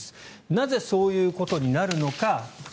なぜ、そういうことになるのか。